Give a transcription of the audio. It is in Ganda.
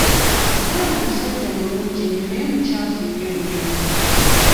Mukwaya musajja mulungi nnyo naye mukyafu nnyo nnyo.